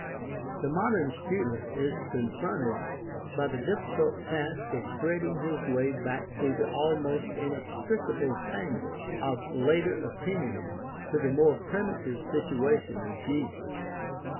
The modern student is confronted by the difficult task of threading his way back through the almost inextricable tangle of later opinion to the more primi tive situation of Jesus.